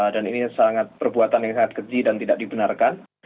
dan ini sangat perbuatan yang sangat keji dan tidak dibenarkan